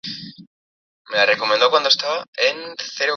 Aquí mantiene sus poderes de fuego, pero no se sabe si es una princesa.